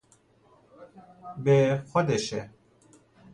به، خودشه!